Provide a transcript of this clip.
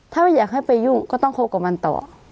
ถ้าไม่อยากให้ไปยุ่งก็ต้องคบกับมันต่อ